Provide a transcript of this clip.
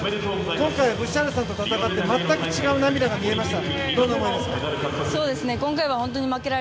今回、ブシャールさんと戦って全く違う涙が見えました。